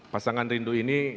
pasangan rindu ini